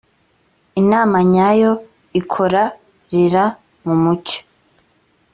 inama nyayo ikora rera mumucyo.